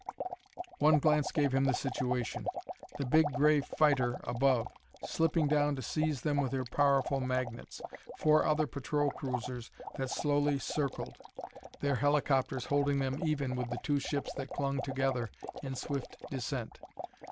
One glance gave him the situation: the big gray fighter above, slipping down to seize them with her powerful magnets; four other patrol cruisers that slowly circled, their helicopters holding them even with the two ships that clung together in swift descent.